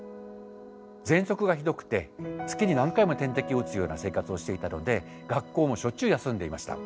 ぜんそくがひどくて月に何回も点滴を打つような生活をしていたので学校もしょっちゅう休んでいました。